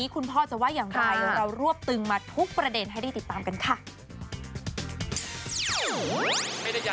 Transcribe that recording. คุณพ่อจะว่าอย่างไรเรารวบตึงมาทุกประเด็นให้ได้ติดตามกันค่ะ